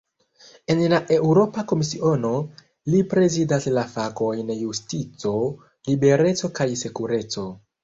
En la Eŭropa Komisiono, li prezidas la fakojn "justico, libereco kaj sekureco".